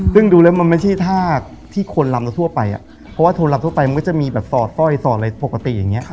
ซึ่งดูแล้วมันไม่ใช่ท่าที่คนลำทั่วไปเพราะว่าโทรลำทั่วไปมันก็จะมีแบบสอดสร้อยสอดอะไรปกติอย่างนี้